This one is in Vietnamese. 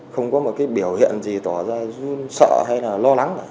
không có một biểu hiện gì tỏ ra sợ hay lo lắng